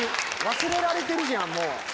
忘れられてるじゃんもう。